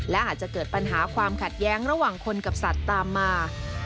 และอาจจะเกิดปัญหาความขัดแย้งระหว่างคนกับสัตว์ตามมา